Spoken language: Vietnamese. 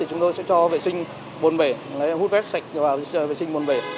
chúng tôi sẽ cho vệ sinh bồn bể